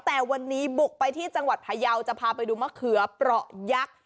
แต่วันนี้บุกไปที่จังหวัดพยาวจะพาไปดูมะเขือเปราะยักษ์